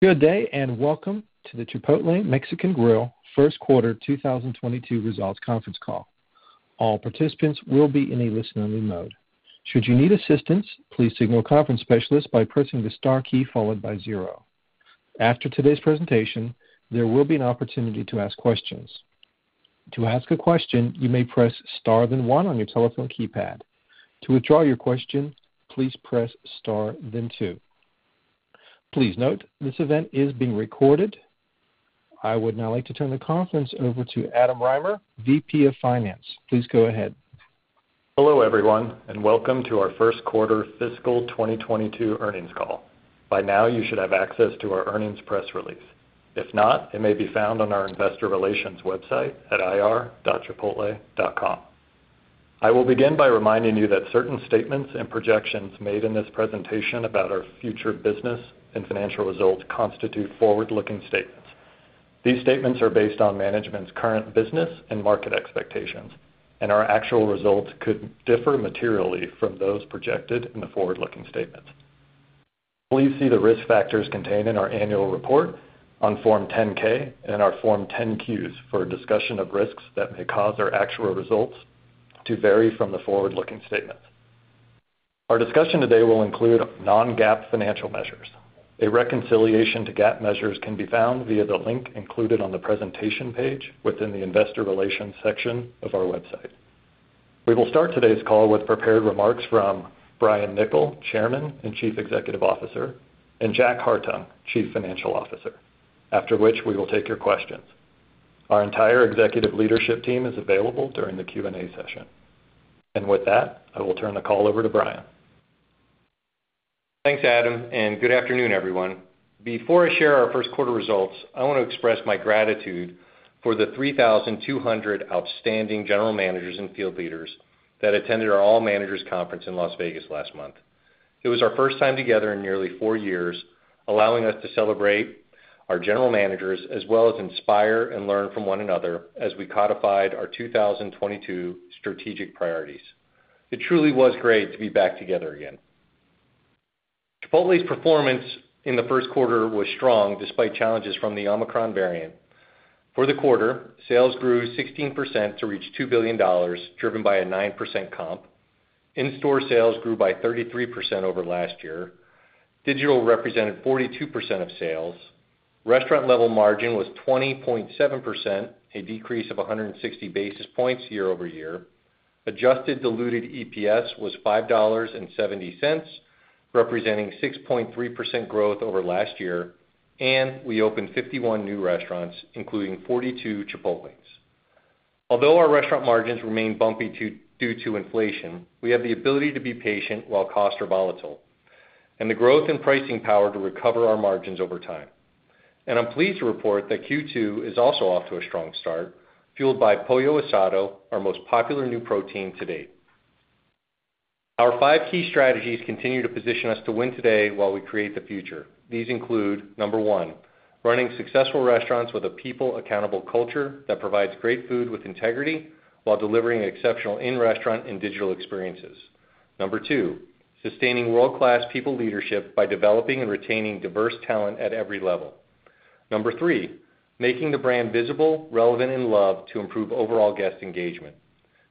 Good day, and welcome to the Chipotle Mexican Grill first quarter 2022 results conference call. All participants will be in a listen-only mode. Should you need assistance, please signal a conference specialist by pressing the star key followed by zero. After today's presentation, there will be an opportunity to ask questions. To ask a question, you may press star then one on your telephone keypad. To withdraw your question, please press star then two. Please note, this event is being recorded. I would now like to turn the conference over to Adam Rymer, VP of Finance. Please go ahead. Hello, everyone, and welcome to our first quarter fiscal 2022 earnings call. By now, you should have access to our earnings press release. If not, it may be found on our investor relations website at ir.chipotle.com. I will begin by reminding you that certain statements and projections made in this presentation about our future business and financial results constitute forward-looking statements. These statements are based on management's current business and market expectations, and our actual results could differ materially from those projected in the forward-looking statements. Please see the risk factors contained in our annual report on Form 10-K and our Form 10-Qs for a discussion of risks that may cause our actual results to vary from the forward-looking statements. Our discussion today will include non-GAAP financial measures. A reconciliation to GAAP measures can be found via the link included on the presentation page within the investor relations section of our website. We will start today's call with prepared remarks from Brian Niccol, Chairman and Chief Executive Officer, and Jack Hartung, Chief Financial Officer. After which, we will take your questions. Our entire executive leadership team is available during the Q&A session. With that, I will turn the call over to Brian. Thanks, Adam, and good afternoon, everyone. Before I share our first quarter results, I wanna express my gratitude for the 3,200 outstanding general managers and field leaders that attended our All Managers Conference in Las Vegas last month. It was our first time together in nearly four years, allowing us to celebrate our general managers as well as inspire and learn from one another as we codified our 2022 strategic priorities. It truly was great to be back together again. Chipotle's performance in the first quarter was strong despite challenges from the Omicron variant. For the quarter, sales grew 16% to reach $2 billion, driven by a 9% comp. In-store sales grew by 33% over last year. Digital represented 42% of sales. Restaurant level margin was 20.7%, a decrease of 160 basis points year-over-year. Adjusted diluted EPS was $5.70, representing 6.3% growth over last year. We opened 51 new restaurants, including 42 Chipotles. Although our restaurant margins remain bumpy due to inflation, we have the ability to be patient while costs are volatile, and the growth and pricing power to recover our margins over time. I'm pleased to report that Q2 is also off to a strong start, fueled by Pollo Asado, our most popular new protein to date. Our five key strategies continue to position us to win today while we create the future. These include, number one, running successful restaurants with a people accountable culture that provides great food with integrity while delivering exceptional in-restaurant and digital experiences. Number two, sustaining world-class people leadership by developing and retaining diverse talent at every level. Number three, making the brand visible, relevant, and loved to improve overall guest engagement.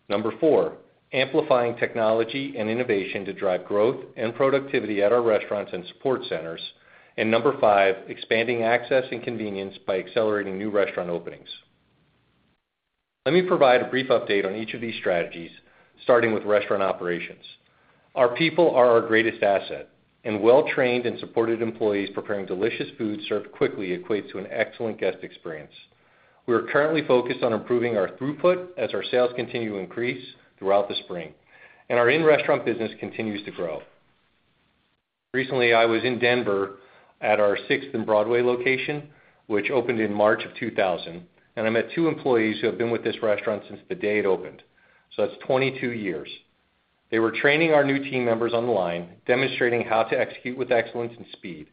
Number four, amplifying technology and innovation to drive growth and productivity at our restaurants and support centers. Number five, expanding access and convenience by accelerating new restaurant openings. Let me provide a brief update on each of these strategies, starting with restaurant operations. Our people are our greatest asset. Well-trained and supported employees preparing delicious food served quickly equates to an excellent guest experience. We are currently focused on improving our throughput as our sales continue to increase throughout the spring, and our in-restaurant business continues to grow. Recently, I was in Denver at our sixth and Broadway location, which opened in March 2000, and I met two employees who have been with this restaurant since the day it opened, so that's 22 years. They were training our new team members on the line, demonstrating how to execute with excellence and speed.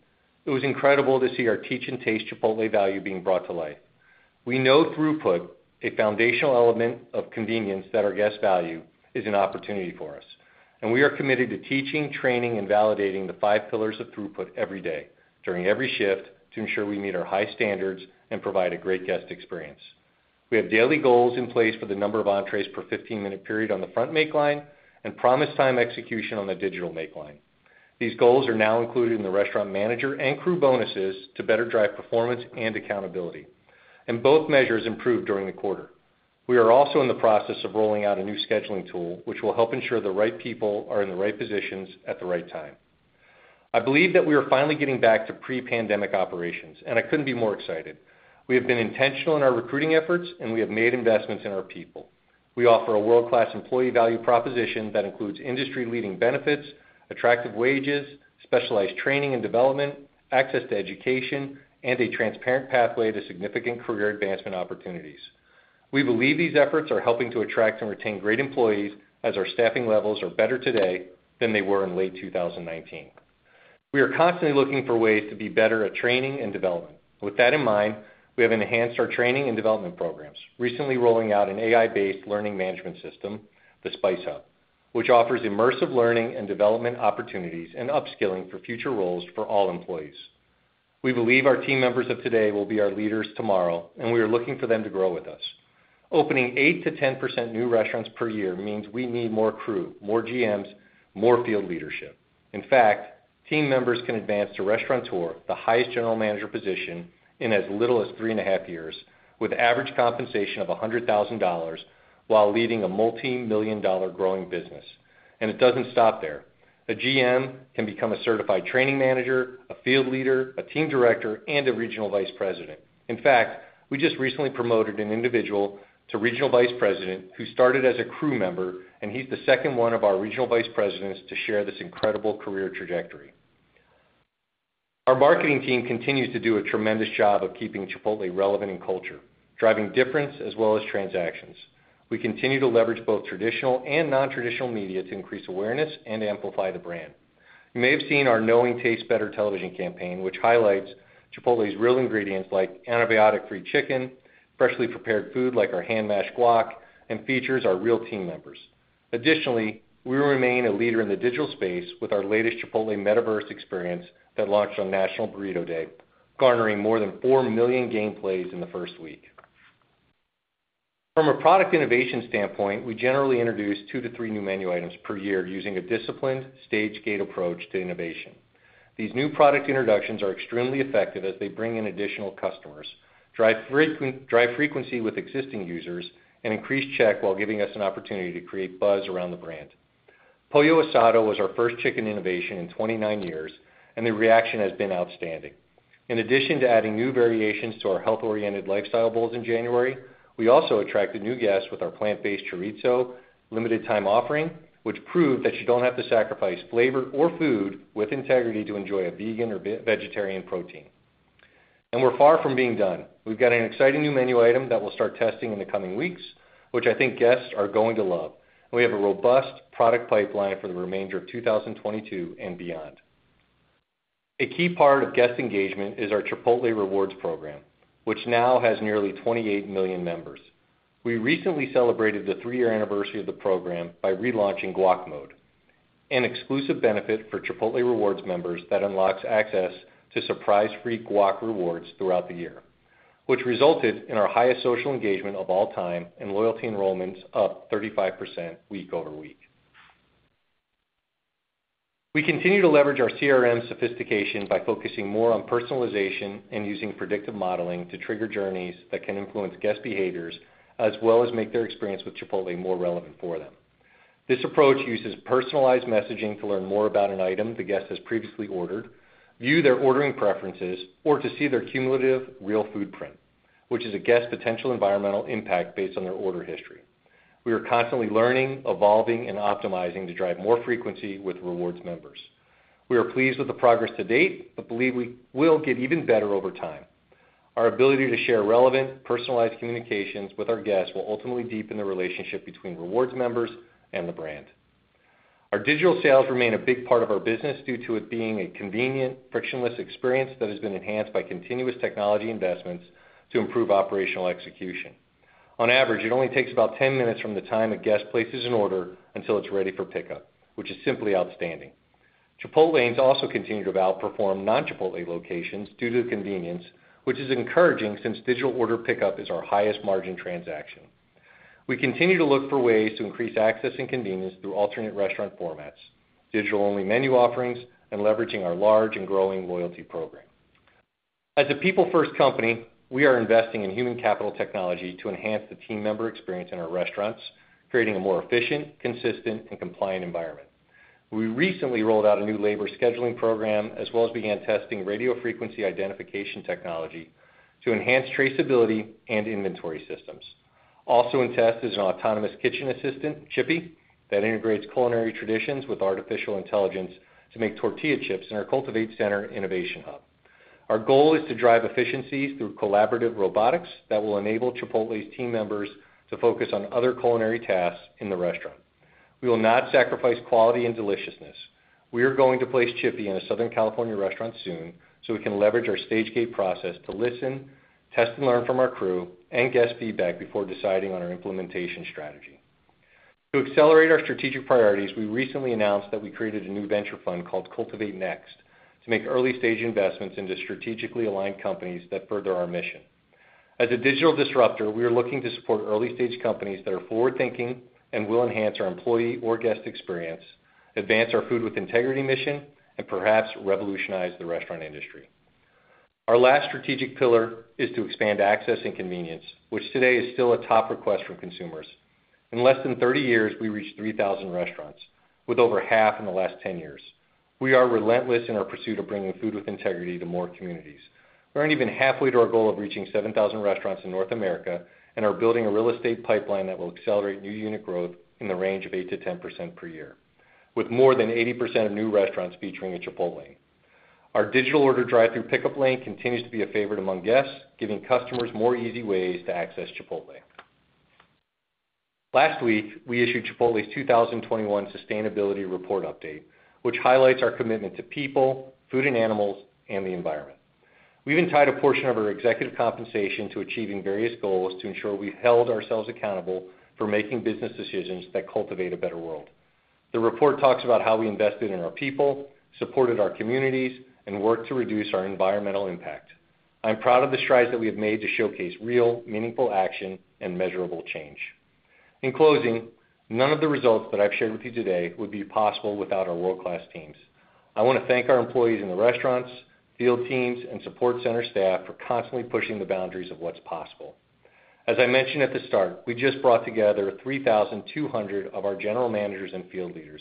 It was incredible to see our teach and taste Chipotle value being brought to life. We know throughput, a foundational element of convenience that our guests value, is an opportunity for us, and we are committed to teaching, training, and validating the five pillars of throughput every day during every shift to ensure we meet our high standards and provide a great guest experience. We have daily goals in place for the number of entrees per 15-minute period on the front make line and promised time execution on the digital make line. These goals are now included in the restaurant manager and crew bonuses to better drive performance and accountability, and both measures improved during the quarter. We are also in the process of rolling out a new scheduling tool, which will help ensure the right people are in the right positions at the right time. I believe that we are finally getting back to pre-pandemic operations, and I couldn't be more excited. We have been intentional in our recruiting efforts, and we have made investments in our people. We offer a world-class employee value proposition that includes industry-leading benefits, attractive wages, specialized training and development, access to education, and a transparent pathway to significant career advancement opportunities. We believe these efforts are helping to attract and retain great employees as our staffing levels are better today than they were in late 2019. We are constantly looking for ways to be better at training and development. With that in mind, we have enhanced our training and development programs, recently rolling out an AI-based learning management system, the Spice Hub, which offers immersive learning and development opportunities and upskilling for future roles for all employees. We believe our team members of today will be our leaders tomorrow, and we are looking for them to grow with us. Opening 8%-10% new restaurants per year means we need more crew, more GMs, more field leadership. In fact, team members can advance to restaurateur the highest general manager position, in as little as three and a half years with average compensation of $100,000 while leading a multimillion-dollar growing business. It doesn't stop there. A GM can become a certified training manager, a field leader, a team director, and a regional vice president. In fact, we just recently promoted an individual to regional vice president who started as a crew member, and he's the second one of our regional vice presidents to share this incredible career trajectory. Our marketing team continues to do a tremendous job of keeping Chipotle relevant in culture, driving difference as well as transactions. We continue to leverage both traditional and non-traditional media to increase awareness and amplify the brand. You may have seen our Knowing Tastes Better television campaign, which highlights Chipotle's real ingredients like antibiotic-free chicken, freshly prepared food like our hand-mashed guac, and features our real team members. Additionally, we remain a leader in the digital space with our latest Chipotle metaverse experience that launched on National Burrito Day, garnering more than 4 million game plays in the first week. From a product innovation standpoint, we generally introduce two to three new menu items per year using a disciplined stage gate approach to innovation. These new product introductions are extremely effective as they bring in additional customers, drive frequency with existing users, and increase check while giving us an opportunity to create buzz around the brand. Pollo Asado was our first chicken innovation in 29 years, and the reaction has been outstanding. In addition to adding new variations to our health-oriented Lifestyle Bowls in January, we also attracted new guests with our plant-based chorizo limited time offering, which proved that you don't have to sacrifice flavor or food with integrity to enjoy a vegan or vegetarian protein. We're far from being done. We've got an exciting new menu item that we'll start testing in the coming weeks, which I think guests are going to love. We have a robust product pipeline for the remainder of 2022 and beyond. A key part of guest engagement is our Chipotle Rewards program, which now has nearly 28 million members. We recently celebrated the three-year anniversary of the program by relaunching Guac Mode, an exclusive benefit for Chipotle Rewards members that unlocks access to surprise free guac rewards throughout the year, which resulted in our highest social engagement of all time and loyalty enrollments up 35% week over week. We continue to leverage our CRM sophistication by focusing more on personalization and using predictive modeling to trigger journeys that can influence guest behaviors as well as make their experience with Chipotle more relevant for them. This approach uses personalized messaging to learn more about an item the guest has previously ordered, view their ordering preferences, or to see their cumulative real food print, which is a guest potential environmental impact based on their order history. We are constantly learning, evolving, and optimizing to drive more frequency with rewards members. We are pleased with the progress to date, but believe we will get even better over time. Our ability to share relevant, personalized communications with our guests will ultimately deepen the relationship between rewards members and the brand. Our digital sales remain a big part of our business due to it being a convenient, frictionless experience that has been enhanced by continuous technology investments to improve operational execution. On average, it only takes about 10 minutes from the time a guest places an order until it's ready for pickup, which is simply outstanding. Chipotlanes also continue to outperform non-Chipotle locations due to the convenience, which is encouraging since digital order pickup is our highest margin transaction. We continue to look for ways to increase access and convenience through alternate restaurant formats, digital-only menu offerings, and leveraging our large and growing loyalty program. As a people-first company, we are investing in human capital technology to enhance the team member experience in our restaurants, creating a more efficient, consistent, and compliant environment. We recently rolled out a new labor scheduling program as well as began testing radio frequency identification technology to enhance traceability and inventory systems. Also in test is an autonomous kitchen assistant, Chippy, that integrates culinary traditions with artificial intelligence to make tortilla chips in our Cultivate Center innovation hub. Our goal is to drive efficiencies through collaborative robotics that will enable Chipotle's team members to focus on other culinary tasks in the restaurant. We will not sacrifice quality and deliciousness. We are going to place Chippy in a Southern California restaurant soon, so we can leverage our stage gate process to listen, test, and learn from our crew and guest feedback before deciding on our implementation strategy. To accelerate our strategic priorities, we recently announced that we created a new venture fund called Cultivate Next to make early-stage investments into strategically aligned companies that further our mission. As a digital disruptor, we are looking to support early-stage companies that are forward-thinking and will enhance our employee or guest experience, advance our food with integrity mission, and perhaps revolutionize the restaurant industry. Our last strategic pillar is to expand access and convenience, which today is still a top request from consumers. In less than 30 years, we reached 3,000 restaurants, with over half in the last 10 years. We are relentless in our pursuit of bringing food with integrity to more communities. We aren't even halfway to our goal of reaching 7,000 restaurants in North America and are building a real estate pipeline that will accelerate new unit growth in the range of 8%-10% per year, with more than 80% of new restaurants featuring a Chipotlane. Our digital order drive-thru pick-up lane continues to be a favorite among guests, giving customers easier ways to access Chipotle. Last week, we issued Chipotle's 2021 sustainability report update, which highlights our commitment to people, food and animals, and the environment. We even tied a portion of our executive compensation to achieving various goals to ensure we held ourselves accountable for making business decisions that cultivate a better world. The report talks about how we invested in our people, supported our communities, and worked to reduce our environmental impact. I'm proud of the strides that we have made to showcase real, meaningful action and measurable change. In closing, none of the results that I've shared with you today would be possible without our world-class teams. I wanna thank our employees in the restaurants, field teams, and support center staff for constantly pushing the boundaries of what's possible. As I mentioned at the start, we just brought together 3,200 of our general managers and field leaders,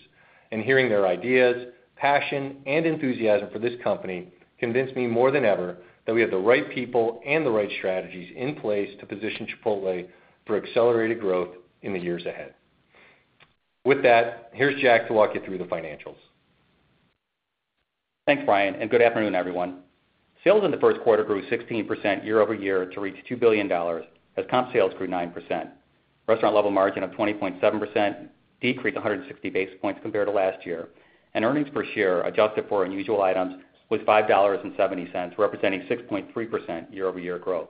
and hearing their ideas, passion, and enthusiasm for this company convinced me more than ever that we have the right people and the right strategies in place to position Chipotle for accelerated growth in the years ahead. With that, here's Jack to walk you through the financials. Thanks, Brian, and good afternoon, everyone. Sales in the first quarter grew 16% year over year to reach $2 billion as comp sales grew 9%. Restaurant level margin of 20.7% decreased 160 basis points compared to last year, and earnings per share adjusted for unusual items was $5.70, representing 6.3% year over year growth.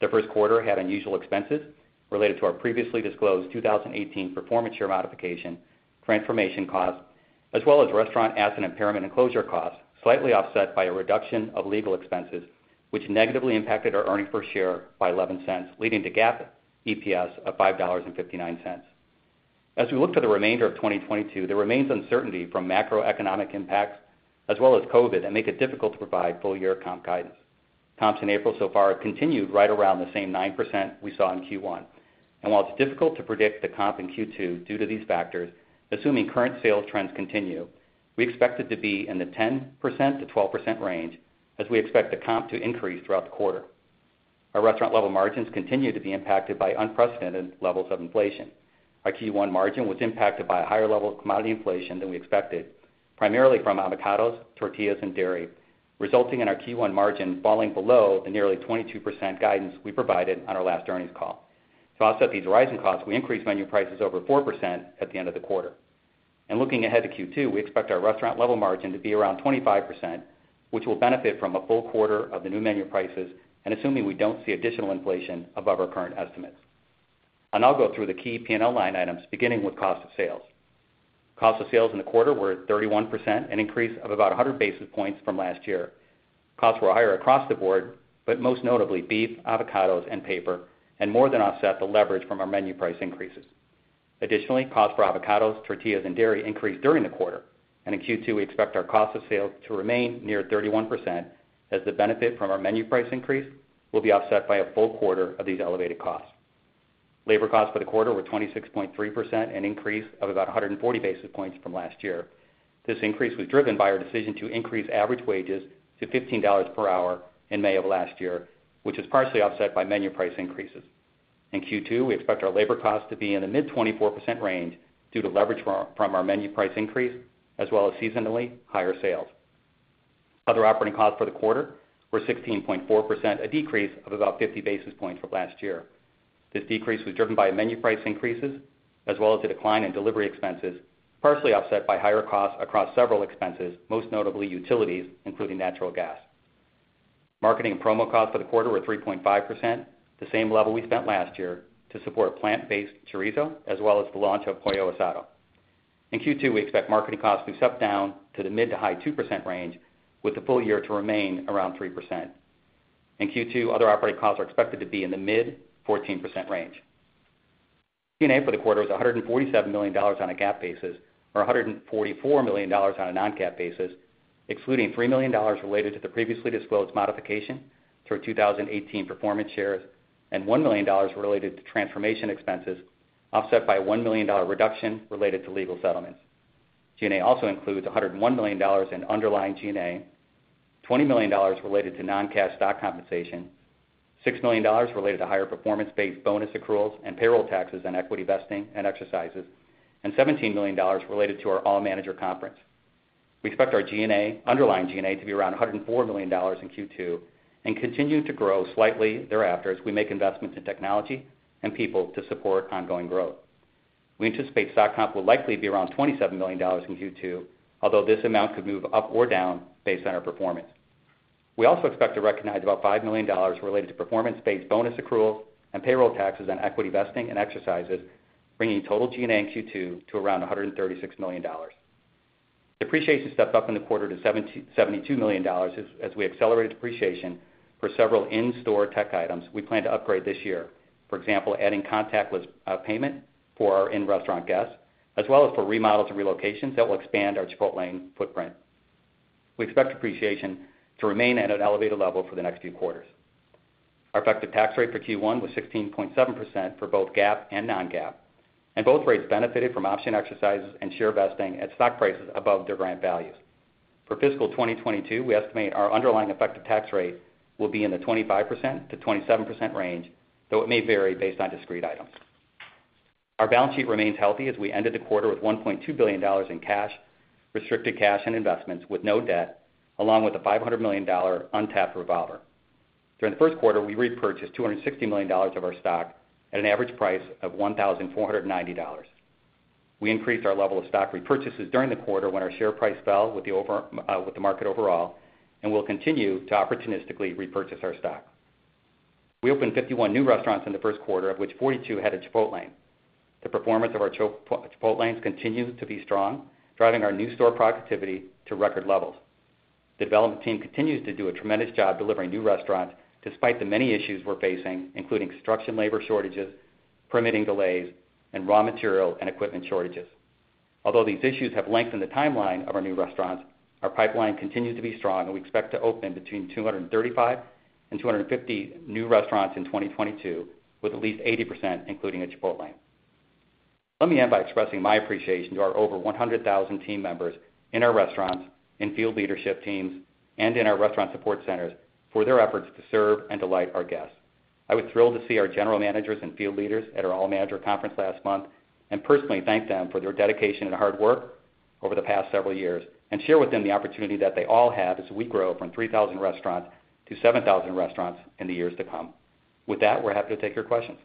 The first quarter had unusual expenses related to our previously disclosed 2018 performance share modification, transformation costs, as well as restaurant asset impairment and closure costs, slightly offset by a reduction of legal expenses, which negatively impacted our earnings per share by $0.11, leading to GAAP EPS of $5.59. As we look to the remainder of 2022, there remains uncertainty from macroeconomic impacts as well as COVID that make it difficult to provide full year comp guidance. Comps in April so far have continued right around the same 9% we saw in Q1. While it's difficult to predict the comp in Q2 due to these factors, assuming current sales trends continue, we expect it to be in the 10%-12% range as we expect the comp to increase throughout the quarter. Our restaurant level margins continue to be impacted by unprecedented levels of inflation. Our Q1 margin was impacted by a higher level of commodity inflation than we expected, primarily from avocados, tortillas, and dairy, resulting in our Q1 margin falling below the nearly 22% guidance we provided on our last earnings call. To offset these rising costs, we increased menu prices over 4% at the end of the quarter. Looking ahead to Q2, we expect our restaurant level margin to be around 25%, which will benefit from a full quarter of the new menu prices and assuming we don't see additional inflation above our current estimates. I'll now go through the key P&L line items, beginning with cost of sales. Cost of sales in the quarter were at 31%, an increase of about 100 basis points from last year. Costs were higher across the board, but most notably beef, avocados, and paper, and more than offset the leverage from our menu price increases. Additionally, costs for avocados, tortillas, and dairy increased during the quarter, and in Q2, we expect our cost of sales to remain near 31% as the benefit from our menu price increase will be offset by a full quarter of these elevated costs. Labor costs for the quarter were 26.3%, an increase of about 140 basis points from last year. This increase was driven by our decision to increase average wages to $15 per hour in May of last year, which is partially offset by menu price increases. In Q2, we expect our labor costs to be in the mid-24% range due to leverage from our menu price increase as well as seasonally higher sales. Other operating costs for the quarter were 16.4%, a decrease of about 50 basis points from last year. This decrease was driven by menu price increases as well as a decline in delivery expenses, partially offset by higher costs across several expenses, most notably utilities, including natural gas. Marketing and promo costs for the quarter were 3.5%, the same level we spent last year to support plant-based chorizo as well as the launch of Pollo Asado. In Q2, we expect marketing costs to step down to the mid- to high-2% range with the full year to remain around 3%. In Q2, other operating costs are expected to be in the mid-14% range. G&A for the quarter was $147 million on a GAAP basis, or $144 million on a non-GAAP basis, excluding $3 million related to the previously disclosed modification to our 2018 performance shares and $1 million related to transformation expenses, offset by a $1 million reduction related to legal settlements. G&A also includes $101 million in underlying G&A, $20 million related to non-cash stock compensation, $6 million related to higher performance-based bonus accruals and payroll taxes and equity vesting and exercises, and $17 million related to our all manager conference. We expect our G&A underlying G&A to be around $104 million in Q2 and continue to grow slightly thereafter as we make investments in technology and people to support ongoing growth. We anticipate stock comp will likely be around $27 million in Q2, although this amount could move up or down based on our performance. We also expect to recognize about $5 million related to performance-based bonus accruals and payroll taxes on equity vesting and exercises, bringing total G&A in Q2 to around $136 million. Depreciation stepped up in the quarter to $772 million as we accelerated depreciation for several in-store tech items we plan to upgrade this year. For example, adding contactless payment for our in-restaurant guests, as well as for remodels and relocations that will expand our Chipotlane footprint. We expect depreciation to remain at an elevated level for the next few quarters. Our effective tax rate for Q1 was 16.7% for both GAAP and non-GAAP, and both rates benefited from option exercises and share vesting at stock prices above their grant values. For fiscal 2022, we estimate our underlying effective tax rate will be in the 25%-27% range, though it may vary based on discrete items. Our balance sheet remains healthy as we ended the quarter with $1.2 billion in cash, restricted cash and investments with no debt, along with a $500 million untapped revolver. During the first quarter, we repurchased $260 million of our stock at an average price of $1,490. We increased our level of stock repurchases during the quarter when our share price fell with the market overall, and we'll continue to opportunistically repurchase our stock. We opened 51 new restaurants in the first quarter, of which 42 had a Chipotlane. The performance of our Chipotlanes continues to be strong, driving our new store productivity to record levels. The development team continues to do a tremendous job delivering new restaurants despite the many issues we're facing, including construction labor shortages, permitting delays, and raw material and equipment shortages. Although these issues have lengthened the timeline of our new restaurants, our pipeline continues to be strong, and we expect to open between 235 and 250 new restaurants in 2022, with at least 80% including a Chipotlane. Let me end by expressing my appreciation to our over 100,000 team members in our restaurants, in field leadership teams, and in our restaurant support centers for their efforts to serve and delight our guests. I was thrilled to see our general managers and field leaders at our all manager conference last month and personally thank them for their dedication and hard work over the past several years and share with them the opportunity that they all have as we grow from 3,000 restaurants to 7,000 restaurants in the years to come. With that, we're happy to take your questions.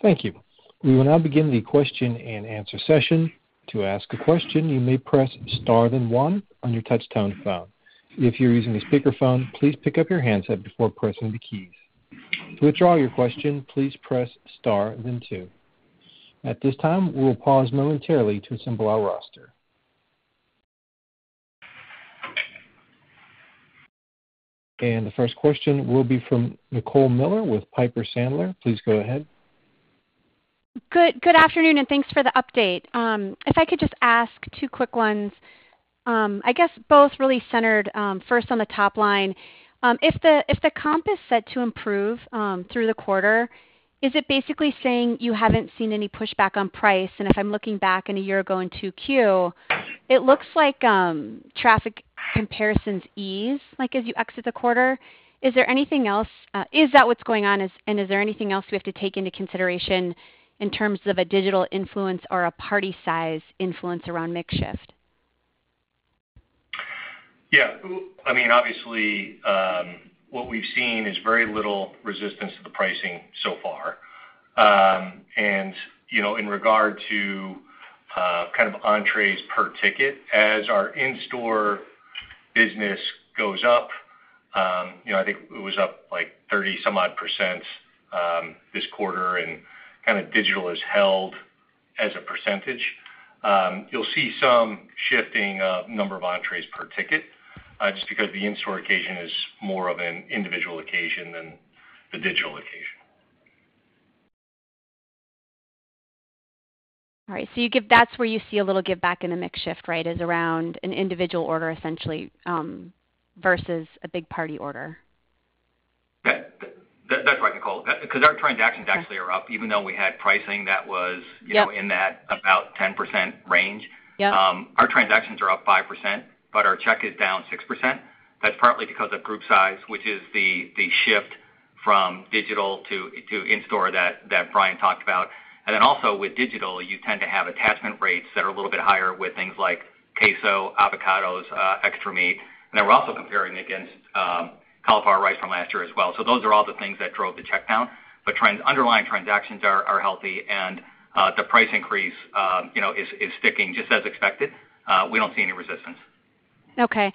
Thank you. We will now begin the question and answer session. To ask a question, you may press star, then one on your touchtone phone. If you're using a speakerphone, please pick up your handset before pressing the keys. To withdraw your question, please press star then two. At this time, we will pause momentarily to assemble our roster. The first question will be from Nicole Miller with Piper Sandler. Please go ahead. Good afternoon and thanks for the update. If I could just ask two quick ones. I guess both really centered first on the top line. If the comp is set to improve through the quarter, is it basically saying you haven't seen any pushback on price? If I'm looking back in a year ago in 2Q, it looks like traffic comparisons ease like as you exit the quarter. Is there anything else? Is that what's going on? Is there anything else we have to take into consideration in terms of a digital influence or a party size influence around mix shift? Yeah. I mean, obviously, what we've seen is very little resistance to the pricing so far. You know, in regard to kind of entrees per ticket as our in-store business goes up, you know, I think it was up like 30-some-odd%, this quarter, and kinda digital is held as a percentage. You'll see some shifting of number of entrees per ticket, just because the in-store occasion is more of an individual occasion than the digital occasion. All right. That's where you see a little give back in a mix shift, right? It's around an individual order essentially, versus a big party order. That's right, Nicole. 'Cause our transactions actually are up even though we had pricing that was- Yep. You know, in that about 10% range. Yep. Our transactions are up 5%, but our check is down 6%. That's partly because of group size, which is the shift from digital to in-store that Brian talked about. Also with digital, you tend to have attachment rates that are a little bit higher with things like queso, avocados, extra meat. We're also comparing against cauliflower rice from last year as well. Those are all the things that drove the check count. Underlying transactions are healthy and the price increase, you know, is sticking just as expected. We don't see any resistance. Okay.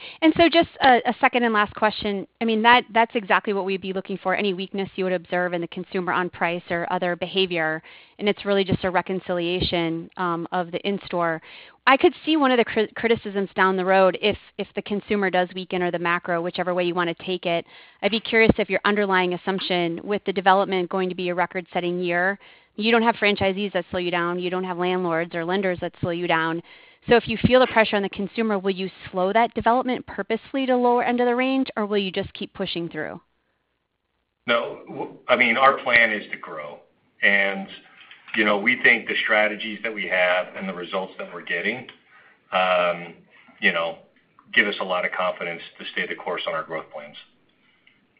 Just a second and last question. I mean, that's exactly what we'd be looking for. Any weakness you would observe in the consumer on price or other behavior, and it's really just a reconciliation of the in-store. I could see one of the criticisms down the road if the consumer does weaken or the macro, whichever way you wanna take it. I'd be curious if your underlying assumption with the development going to be a record-setting year. You don't have franchisees that slow you down. You don't have landlords or lenders that slow you down. If you feel the pressure on the consumer, will you slow that development purposely to lower end of the range, or will you just keep pushing through? I mean, our plan is to grow. You know, we think the strategies that we have and the results that we're getting give us a lot of confidence to stay the course on our growth plans.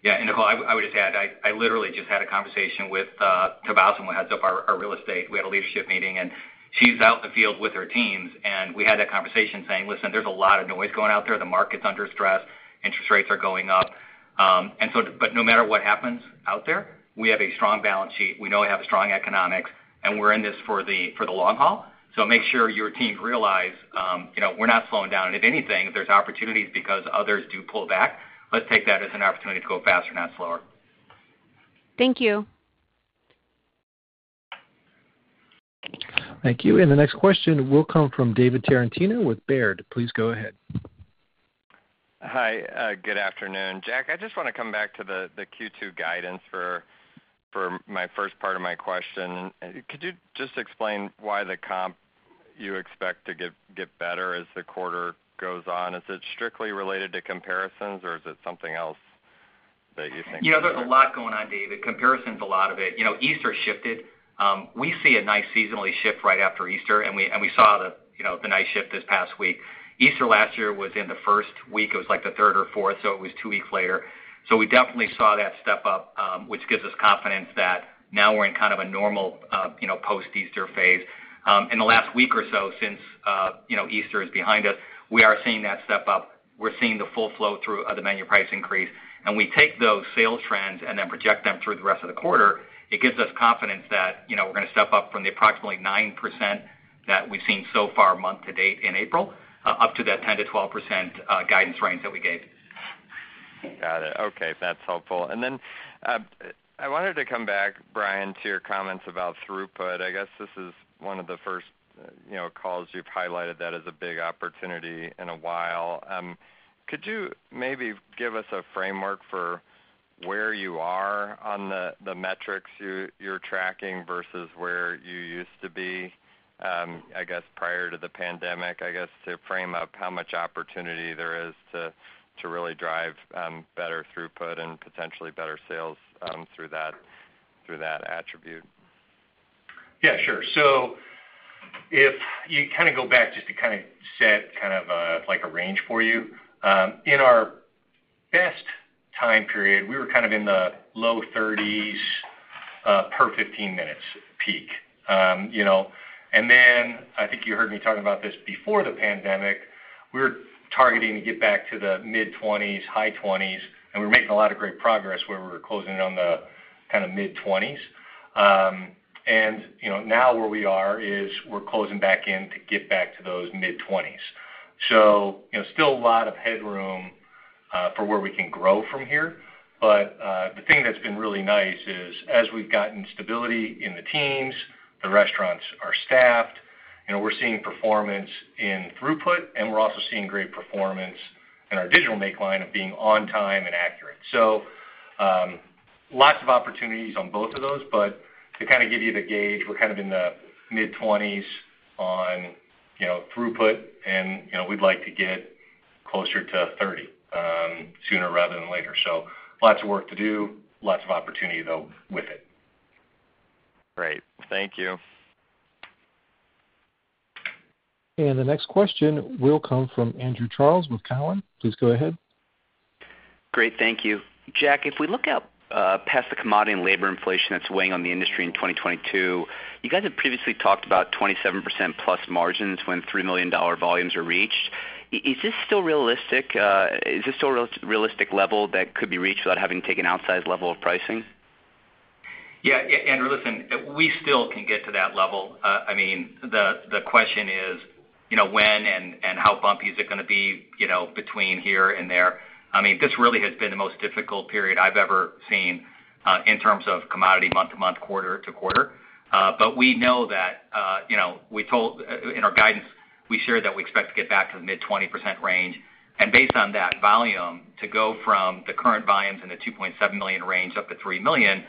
Yeah. Nicole, I would just add, I literally just had a conversation with Tabassum, who heads up our real estate. We had a leadership meeting, and she's out in the field with her teams, and we had that conversation saying, "Listen, there's a lot of noise going out there. The market's under stress. Interest rates are going up. But no matter what happens out there, we have a strong balance sheet. We know we have strong economics, and we're in this for the long haul. Make sure your teams realize, you know, we're not slowing down. If anything, there's opportunities because others do pull back. Let's take that as an opportunity to go faster, not slower. Thank you. Thank you. The next question will come from David Tarantino with Baird. Please go ahead. Hi. Good afternoon. Jack, I just wanna come back to the Q2 guidance for my first part of my question. Could you just explain why the comp you expect to get better as the quarter goes on? Is it strictly related to comparisons, or is it something else that you think- You know, there's a lot going on, David. Comparison's a lot of it. You know, Easter shifted. We see a nice seasonal shift right after Easter, and we saw you know, the nice shift this past week. Easter last year was in the first week. It was like the third or fourth, so it was two weeks later. We definitely saw that step up, which gives us confidence that now we're in kind of a normal, you know, post-Easter phase. In the last week or so since, you know, Easter is behind us, we are seeing that step up. We're seeing the full flow through of the menu price increase, and we take those sales trends and then project them through the rest of the quarter. It gives us confidence that, you know, we're gonna step up from the approximately 9% that we've seen so far month to date in April up to that 10%-12% guidance range that we gave. Got it. Okay. That's helpful. I wanted to come back, Brian, to your comments about throughput. I guess this is one of the first, you know, calls you've highlighted that as a big opportunity in a while. Could you maybe give us a framework for where you are on the metrics you're tracking versus where you used to be, I guess, prior to the pandemic, I guess, to frame up how much opportunity there is to really drive better throughput and potentially better sales through that attribute? Yeah, sure. If you go back just to set kind of a range for you, like. In our best time period, we were kind of in the low 30s per 15 minutes peak. You know, I think you heard me talking about this before the pandemic. We were targeting to get back to the mid-20s, high 20s, and we were making a lot of great progress where we were closing on the kind of mid-20s. You know, now where we are is we're closing back in to get back to those mid-20s. You know, still a lot of headroom for where we can grow from here. The thing that's been really nice is, as we've gotten stability in the teams, the restaurants are staffed. You know, we're seeing performance in throughput, and we're also seeing great performance in our digital make line of being on time and accurate. Lots of opportunities on both of those, but to kinda give you the gauge, we're kind of in the mid-20s on, you know, throughput and, you know, we'd like to get closer to 30, sooner rather than later. Lots of work to do. Lots of opportunity, though, with it. Great. Thank you. The next question will come from Andrew Charles with Cowen. Please go ahead. Great. Thank you. Jack, if we look out past the commodity and labor inflation that's weighing on the industry in 2022, you guys have previously talked about 27%+ margins when $3 million volumes are reached. Is this still realistic? Is this still realistic level that could be reached without having to take an outsized level of pricing? Yeah. Andrew, listen, we still can get to that level. I mean, the question is, you know, when and how bumpy is it gonna be, you know, between here and there. I mean, this really has been the most difficult period I've ever seen in terms of commodity month-to-month, quarter-to-quarter. But we know that, you know, we told in our guidance, we shared that we expect to get back to the mid-20% range. Based on that volume, to go from the current volumes in the 2.7 million range up to 3 million,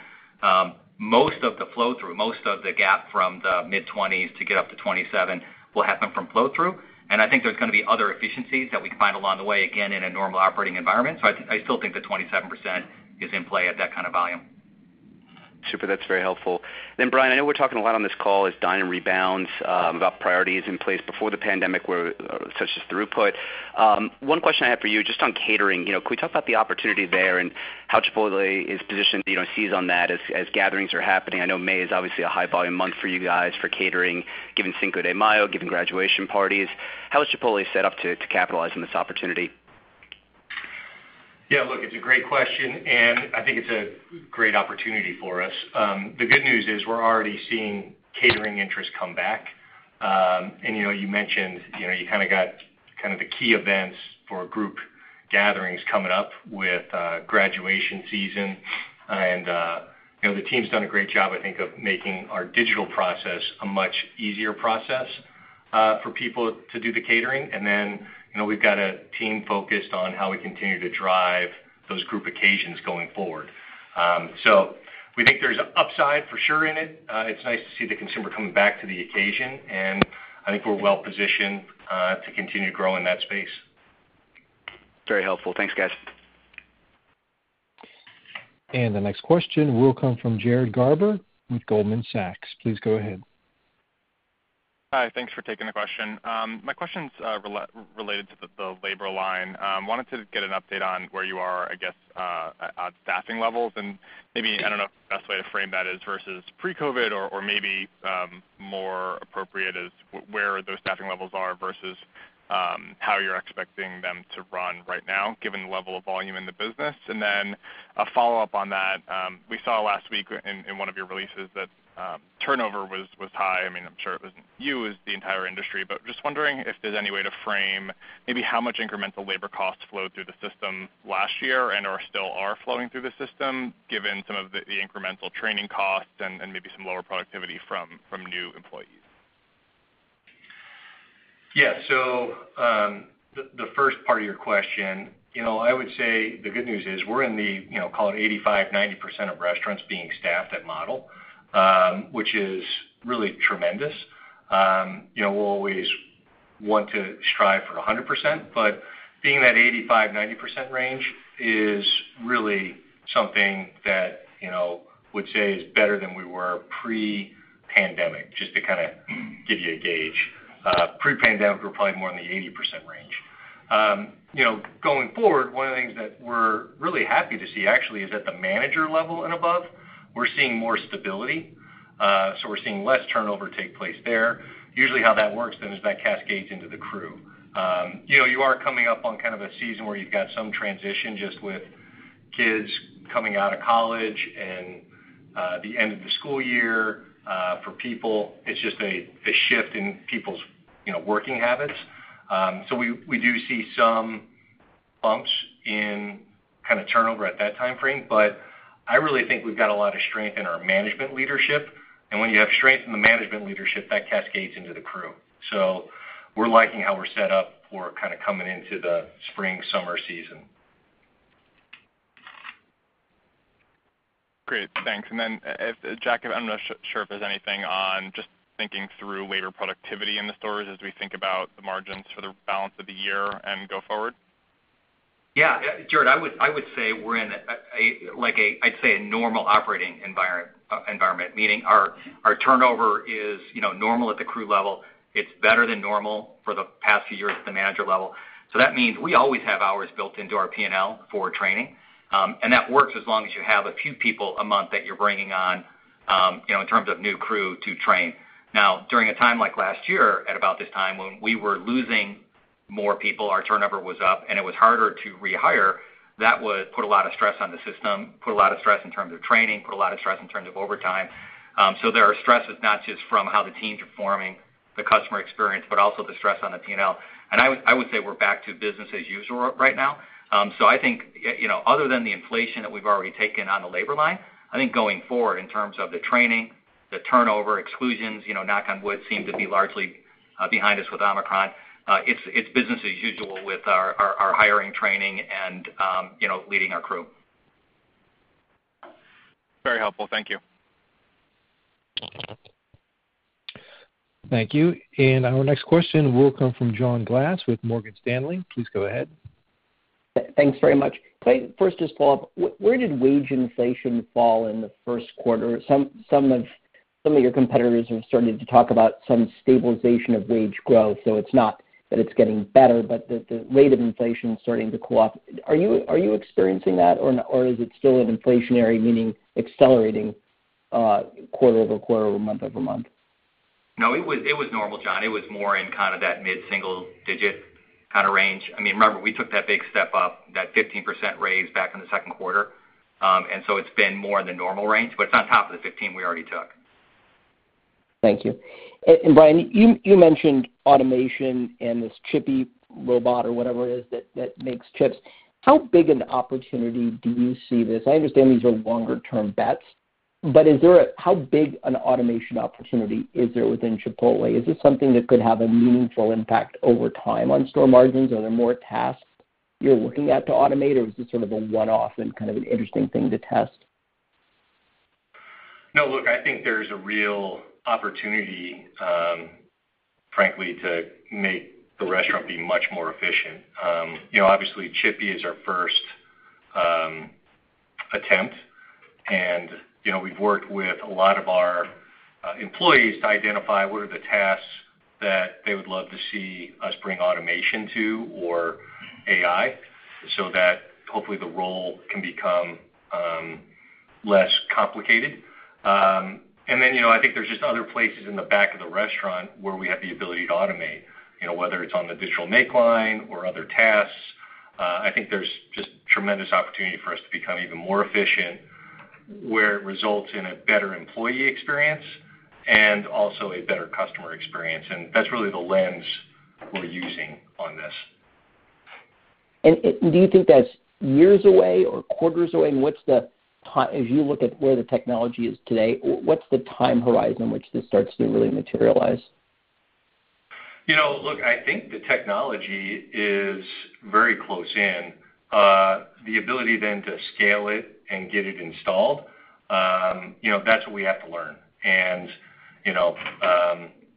most of the flow through, most of the gap from the mid-20s to get up to 27 will happen from flow through. I think there's gonna be other efficiencies that we can find along the way, again, in a normal operating environment. I still think the 27% is in play at that kind of volume. Super. That's very helpful. Brian, I know we're talking a lot on this call as dine-in rebounds, about priorities in place before the pandemic were, such as throughput. One question I have for you just on catering. You know, can we talk about the opportunity there and how Chipotle is positioned, you know, to seize on that as gatherings are happening? I know May is obviously a high volume month for you guys for catering given Cinco de Mayo, given graduation parties. How is Chipotle set up to capitalize on this opportunity? Yeah. Look, it's a great question, and I think it's a great opportunity for us. The good news is we're already seeing catering interest come back. You know, you kind of got the key events for group gatherings coming up with graduation season. You know, the team's done a great job, I think, of making our digital process a much easier process for people to do the catering. You know, we've got a team focused on how we continue to drive those group occasions going forward. We think there's upside for sure in it. It's nice to see the consumer coming back to the occasion, and I think we're well positioned to continue to grow in that space. Very helpful. Thanks, guys. The next question will come from Jared Garber with Goldman Sachs. Please go ahead. Hi. Thanks for taking the question. My question's related to the labor line. I wanted to get an update on where you are on staffing levels and maybe the best way to frame that is versus pre-COVID or more appropriate is where those staffing levels are versus how you're expecting them to run right now given the level of volume in the business. Then a follow-up on that. We saw last week in one of your releases that turnover was high. I mean, I'm sure it wasn't you, it was the entire industry. Just wondering if there's any way to frame maybe how much incremental labor costs flowed through the system last year and/or still are flowing through the system given some of the incremental training costs and maybe some lower productivity from new employees. Yeah. The first part of your question. You know, I would say the good news is we're in the, you know, call it 85%-90% of restaurants being staffed at model, which is really tremendous. You know, we'll always want to strive for 100%, but being that 85%-90% range is really something that, you know, would say is better than we were pre-pandemic, just to kinda give you a gauge. Pre-pandemic, we were probably more in the 80% range. You know, going forward, one of the things that we're really happy to see actually is at the manager level and above, we're seeing more stability. We're seeing less turnover take place there. Usually how that works then is that cascades into the crew. You know, you are coming up on kind of a season where you've got some transition just with kids coming out of college and the end of the school year for people. It's just a shift in people's, you know, working habits. We do see some bumps in kind of turnover at that time frame. I really think we've got a lot of strength in our management leadership. When you have strength in the management leadership, that cascades into the crew. We're liking how we're set up for kind of coming into the spring, summer season. Great. Thanks. Jack, I'm not sure if there's anything on just thinking through labor productivity in the stores as we think about the margins for the balance of the year and go forward. Yeah. Jared, I would say we're in a normal operating environment. Meaning our turnover is, you know, normal at the crew level. It's better than normal for the past few years at the manager level. That means we always have hours built into our P&L for training. That works as long as you have a few people a month that you're bringing on, you know, in terms of new crew to train. Now, during a time like last year, at about this time when we were losing more people, our turnover was up, and it was harder to rehire. That would put a lot of stress on the system, put a lot of stress in terms of training, put a lot of stress in terms of overtime. There are stresses not just from how the teams are forming the customer experience, but also the stress on the P&L. I would say we're back to business as usual right now. I think you know, other than the inflation that we've already taken on the labor line, I think going forward in terms of the training, the turnover exclusions, you know, knock on wood, seem to be largely behind us with Omicron. It's business as usual with our hiring, training and, you know, leading our crew. Very helpful. Thank you. Thank you. Our next question will come from John Glass with Morgan Stanley. Please go ahead. Thanks very much. Can I first just follow up, where did wage inflation fall in the first quarter? Some of your competitors have started to talk about some stabilization of wage growth. It's not that it's getting better, but the rate of inflation is starting to cool off. Are you experiencing that or is it still an inflationary, meaning accelerating, quarter-over-quarter, or month-over-month? No, it was normal, John. It was more in kind of that mid-single digit kind of range. I mean, remember, we took that big step up, that 15% raise back in the second quarter. It's been more in the normal range, but it's on top of the 15 we already took. Thank you. Brian, you mentioned automation and this Chippy robot or whatever it is that makes chips. How big an opportunity do you see this? I understand these are longer term bets, but how big an automation opportunity is there within Chipotle? Is this something that could have a meaningful impact over time on store margins? Are there more tasks you're looking at to automate, or is this sort of a one-off and kind of an interesting thing to test? No, look, I think there's a real opportunity, frankly, to make the restaurant be much more efficient. You know, obviously Chippy is our first attempt. You know, we've worked with a lot of our employees to identify what are the tasks that they would love to see us bring automation to or AI, so that hopefully the role can become less complicated. Then, you know, I think there's just other places in the back of the restaurant where we have the ability to automate. You know, whether it's on the digital make line or other tasks, I think there's just tremendous opportunity for us to become even more efficient, where it results in a better employee experience and also a better customer experience. That's really the lens we're using on this. Do you think that's years away or quarters away? As you look at where the technology is today, what's the time horizon in which this starts to really materialize? You know, look, I think the technology is very close in. The ability then to scale it and get it installed, you know, that's what we have to learn. You know,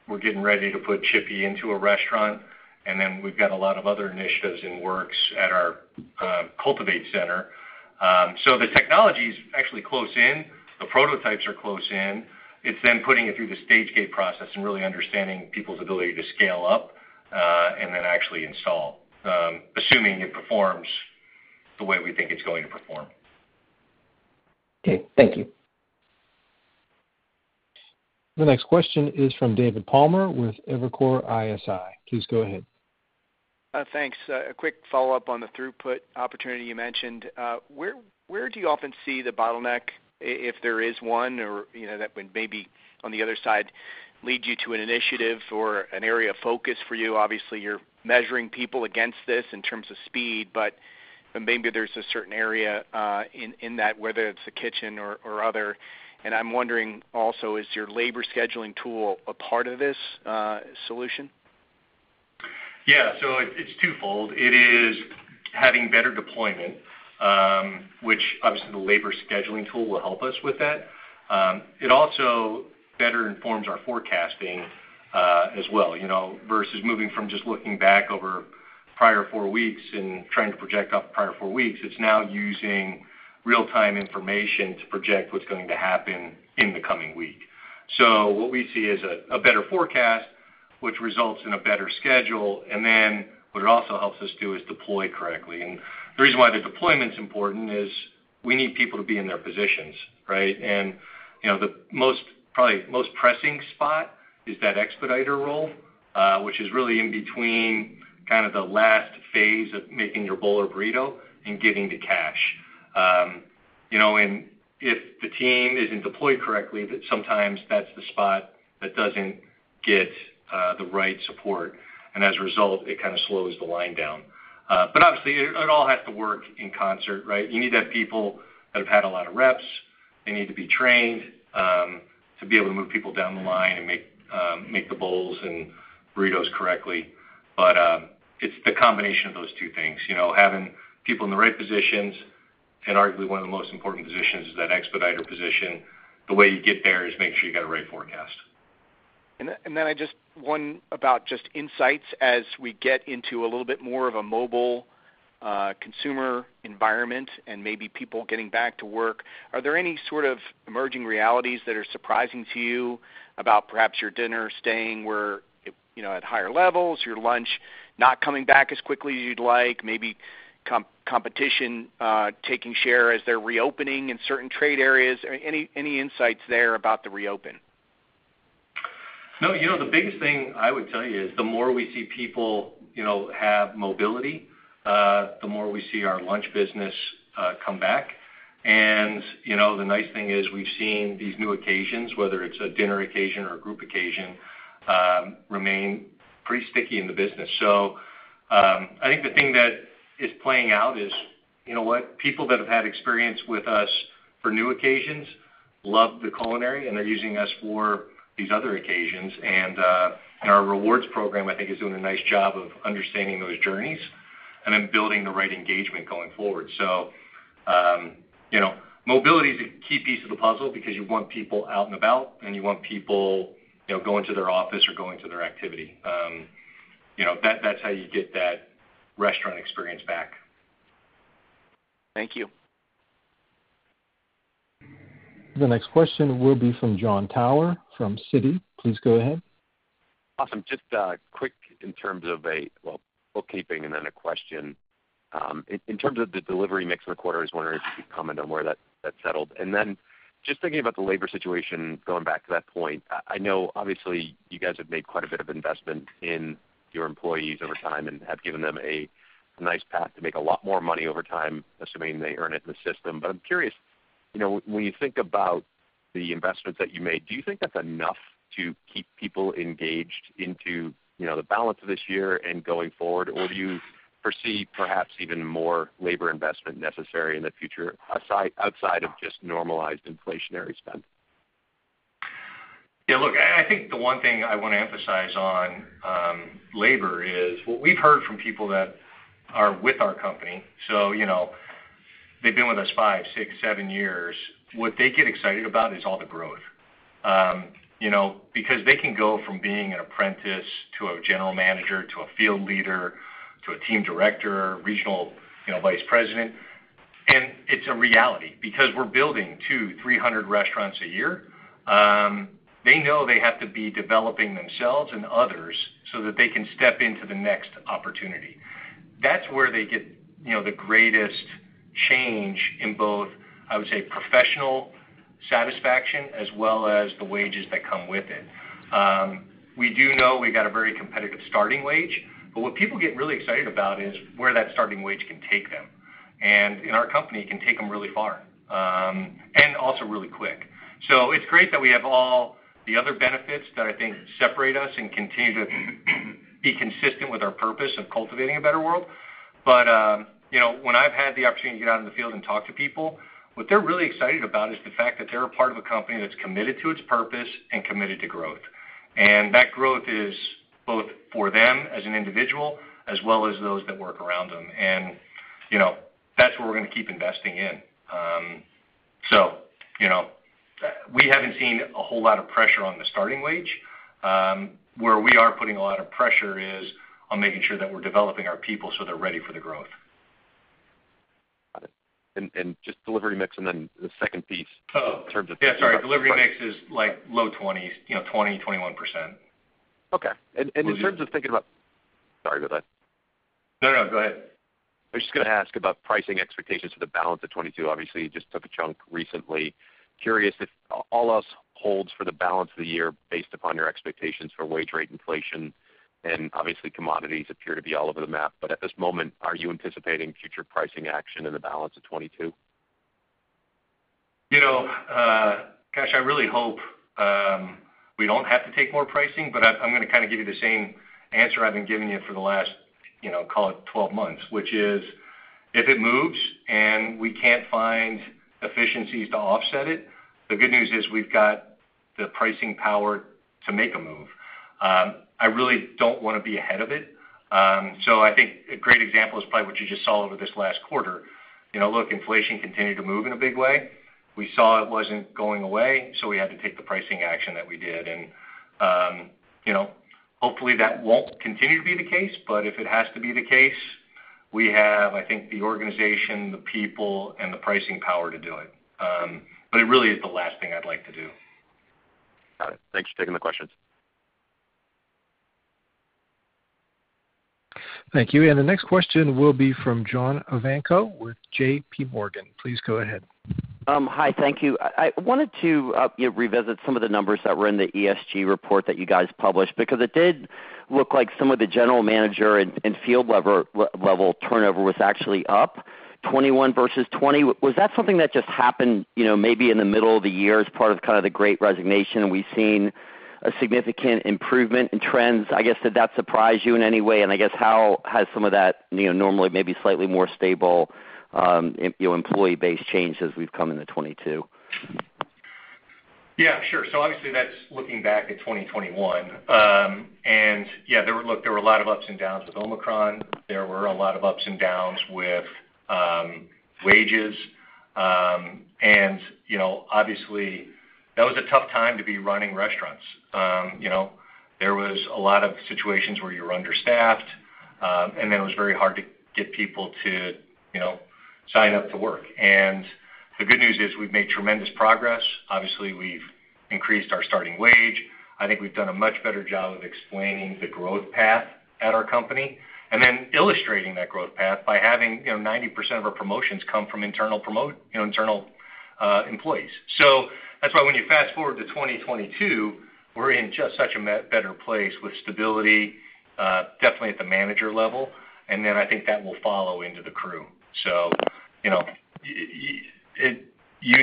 we're getting ready to put Chippy into a restaurant, and then we've got a lot of other initiatives in the works at our Cultivate Center. So the technology is actually close in. The prototypes are close in. It's then putting it through the stage gate process and really understanding people's ability to scale up, and then actually install, assuming it performs the way we think it's going to perform. Okay. Thank you. The next question is from David Palmer with Evercore ISI. Please go ahead. Thanks. A quick follow-up on the throughput opportunity you mentioned. Where do you often see the bottleneck, if there is one, or, you know, that would maybe on the other side lead you to an initiative or an area of focus for you? Obviously, you're measuring people against this in terms of speed, but maybe there's a certain area in that, whether it's the kitchen or other. I'm wondering also, is your labor scheduling tool a part of this solution? Yeah. It's twofold. It is having better deployment, which obviously the labor scheduling tool will help us with that. It also better informs our forecasting, as well. You know, versus moving from just looking back over prior four weeks and trying to project off prior four weeks, it's now using real-time information to project what's going to happen in the coming week. What we see is a better forecast, which results in a better schedule, and then what it also helps us do is deploy correctly. The reason why the deployment's important is we need people to be in their positions, right? You know, probably the most pressing spot is that expediter role, which is really in between kind of the last phase of making your bowl or burrito and getting to cash. You know, if the team isn't deployed correctly, that sometimes that's the spot that doesn't get the right support, and as a result, it kind of slows the line down. Obviously it all has to work in concert, right? You need to have people that have had a lot of reps. They need to be trained to be able to move people down the line and make the bowls and burritos correctly. It's the combination of those two things, you know, having people in the right positions, and arguably one of the most important positions is that expediter position. The way you get there is to make sure you got a right forecast. I just one about just insights as we get into a little bit more of a mobile consumer environment and maybe people getting back to work. Are there any sort of emerging realities that are surprising to you about perhaps your dinner staying where it, you know, at higher levels, your lunch not coming back as quickly as you'd like, maybe competition taking share as they're reopening in certain trade areas? Any insights there about the reopen? No. You know, the biggest thing I would tell you is the more we see people, you know, have mobility, the more we see our lunch business come back. You know, the nice thing is we've seen these new occasions, whether it's a dinner occasion or a group occasion, remain pretty sticky in the business. I think the thing that is playing out is, you know what, people that have had experience with us for new occasions love the culinary, and they're using us for these other occasions. Our rewards program, I think, is doing a nice job of understanding those journeys and then building the right engagement going forward. You know, mobility is a key piece of the puzzle because you want people out and about, and you want people, you know, going to their office or going to their activity. You know, that's how you get that restaurant experience back. Thank you. The next question will be from Jon Tower from Citi. Please go ahead. Awesome. Just quick in terms of a well, bookkeeping and then a question. In terms of the delivery mix for the quarter, I was wondering if you could comment on where that settled. Just thinking about the labor situation, going back to that point, I know obviously you guys have made quite a bit of investment in your employees over time and have given them a nice path to make a lot more money over time, assuming they earn it in the system. I'm curious, you know, when you think about the investments that you made, do you think that's enough to keep people engaged into, you know, the balance of this year and going forward? Do you foresee perhaps even more labor investment necessary in the future outside of just normalized inflationary spend? Yeah, look, I think the one thing I want to emphasize on labor is what we've heard from people that are with our company, so you know, they've been with us five, six, seven years. What they get excited about is all the growth. You know, because they can go from being an apprentice to a general manager to a field leader to a team director, regional you know vice president, and it's a reality because we're building 200-300 restaurants a year. They know they have to be developing themselves and others so that they can step into the next opportunity. That's where they get you know the greatest change in both, I would say, professional satisfaction as well as the wages that come with it. We do know we've got a very competitive starting wage, but what people get really excited about is where that starting wage can take them. In our company, it can take them really far, and also really quick. It's great that we have all the other benefits that I think separate us and continue to be consistent with our purpose of cultivating a better world. You know, when I've had the opportunity to get out in the field and talk to people, what they're really excited about is the fact that they're a part of a company that's committed to its purpose and committed to growth. That growth is both for them as an individual as well as those that work around them. You know, that's where we're gonna keep investing in. You know, we haven't seen a whole lot of pressure on the starting wage. Where we are putting a lot of pressure is on making sure that we're developing our people so they're ready for the growth. Got it. Just delivery mix and then the second piece. Oh. In terms of- Yeah, sorry. Delivery mix is like low twenties, you know, 20, 21%. Okay. In terms of thinking about. Sorry about that. No, no, go ahead. I was just gonna ask about pricing expectations for the balance of 2022. Obviously, you just took a chunk recently. Curious if all else holds for the balance of the year based upon your expectations for wage rate inflation, and obviously commodities appear to be all over the map. At this moment, are you anticipating future pricing action in the balance of 2022? You know, gosh, I really hope we don't have to take more pricing, but I'm gonna kind of give you the same answer I've been giving you for the last, you know, call it 12 months, which is if it moves and we can't find efficiencies to offset it, the good news is we've got the pricing power to make a move. I really don't wanna be ahead of it. I think a great example is probably what you just saw over this last quarter. You know, look, inflation continued to move in a big way. We saw it wasn't going away, so we had to take the pricing action that we did. You know, hopefully, that won't continue to be the case, but if it has to be the case. We have, I think, the organization, the people, and the pricing power to do it. But it really is the last thing I'd like to do. Got it. Thanks for taking the questions. Thank you. The next question will be from John Ivankoe with JPMorgan. Please go ahead. Hi. Thank you. I wanted to, you know, revisit some of the numbers that were in the ESG report that you guys published because it did look like some of the general manager and field level turnover was actually up 21 versus 20. Was that something that just happened, you know, maybe in the middle of the year as part of kinda the great resignation, and we've seen a significant improvement in trends? I guess, did that surprise you in any way? I guess how has some of that, you know, normally maybe slightly more stable, you know, employee base changed as we've come into 2022? Yeah, sure. Obviously that's looking back at 2021. There were a lot of ups and downs with Omicron. There were a lot of ups and downs with wages. You know, obviously, that was a tough time to be running restaurants. You know, there was a lot of situations where you were understaffed, and then it was very hard to get people to, you know, sign up to work. The good news is we've made tremendous progress. Obviously, we've increased our starting wage. I think we've done a much better job of explaining the growth path at our company, and then illustrating that growth path by having, you know, 90% of our promotions come from internal employees. That's why when you fast-forward to 2022, we're in just such a much better place with stability, definitely at the manager level, and then I think that will follow into the crew. You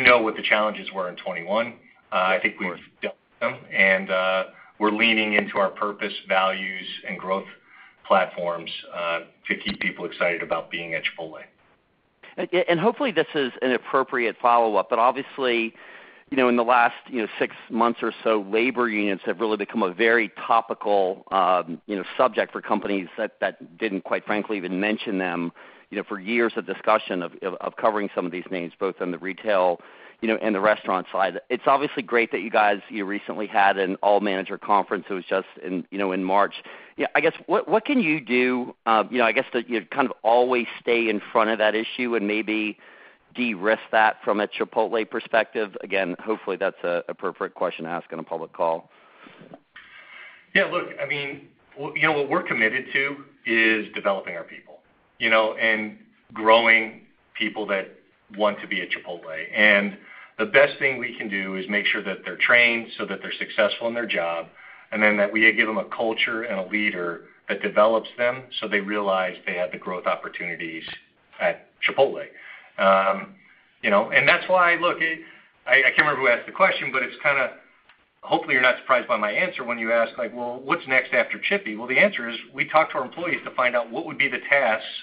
know what the challenges were in 2021. I think we've dealt with them, and we're leaning into our purpose, values, and growth platforms, to keep people excited about being at Chipotle. Hopefully this is an appropriate follow-up, but obviously, you know, in the last, you know, six months or so, labor unions have really become a very topical, you know, subject for companies that didn't, quite frankly, even mention them, you know, for years of discussion of covering some of these names, both on the retail, you know, and the restaurant side. It's obviously great that you guys recently had an all manager conference. It was just in, you know, in March. Yeah, I guess what can you do, you know, I guess to, you know, kind of always stay in front of that issue and maybe de-risk that from a Chipotle perspective? Again, hopefully that's a perfect question to ask in a public call. Yeah. Look, I mean, you know, what we're committed to is developing our people, you know, and growing people that want to be at Chipotle. The best thing we can do is make sure that they're trained so that they're successful in their job, and then that we give them a culture and a leader that develops them, so they realize they have the growth opportunities at Chipotle. You know, and that's why. Look, I can't remember who asked the question, but it's kinda hopefully you're not surprised by my answer when you ask, like, "Well, what's next after Chippy?" The answer is, we talk to our employees to find out what would be the tasks